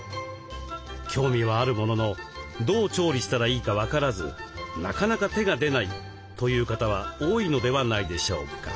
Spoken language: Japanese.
興味はあるもののどう調理したらいいか分からずなかなか手が出ないという方は多いのではないでしょうか。